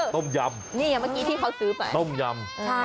คือนี่นะเมื่อกี้ที่เขาซื้อไปต้มยำอร่อยมากคือ